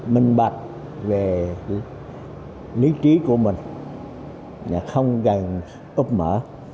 minh bạch về lý trí của mình và không gần úp mở